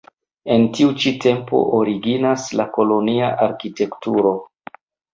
El tiu ĉi tempo originas la kolonia arkitekturo.